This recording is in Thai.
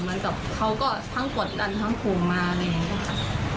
เหมือนกับเขาก็ทั้งกดดันทั้งขู่มาอะไรอย่างนี้ค่ะ